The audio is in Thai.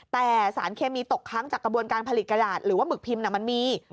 แต่สารเคมีตกค้างจากกระบวนการผลิตกระดาษหรือว่าหมึกพิมพ์มันมี